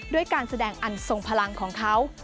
ด้วยการแสดงอันทรงพลังของเขา